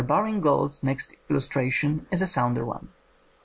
Baring Gould's next illustration is a sounder one.